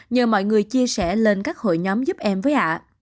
nhờ mọi người chia sẻ lên các hội nhóm giúp em với hạ